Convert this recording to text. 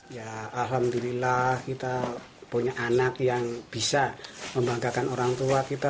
ya alhamdulillah kita punya anak yang bisa membanggakan orang tua kita